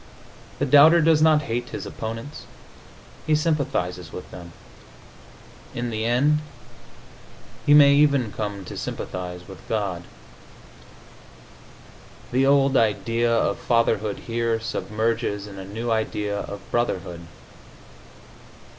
The doubter does not hate his opponents; he sympathizes with them. In the end, he may even come to sympathize with God.... The old idea of fatherhood here submerges in a new idea of brotherhood.